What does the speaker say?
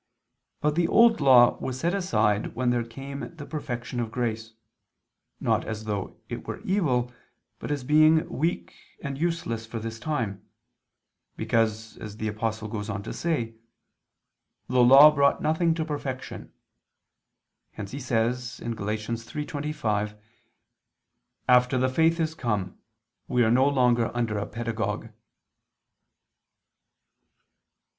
But the Old Law was set aside when there came the perfection of grace; not as though it were evil, but as being weak and useless for this time; because, as the Apostle goes on to say, "the law brought nothing to perfection": hence he says (Gal. 3:25): "After the faith is come, we are no longer under a pedagogue."